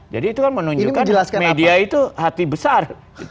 jadi itu kan menunjukkan media itu hati besar